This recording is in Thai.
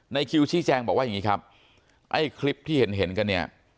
ในคิวชิสแจงบอกว่าคลิปที่เห็นกันเนี้ย